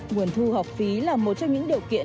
nguồn thu học phí là một trong những điều kiện